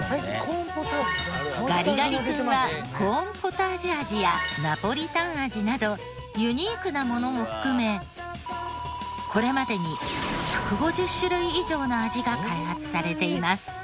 ガリガリ君はコーンポタージュ味やナポリタン味などユニークなものも含めこれまでに１５０種類以上の味が開発されています。